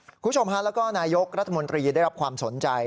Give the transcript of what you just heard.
คุณผู้ชมฮะแล้วก็นายกรัฐมนตรีได้รับความสนใจ